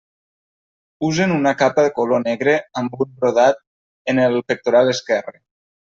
Usen una capa color negre amb un brodat en el pectoral esquerre.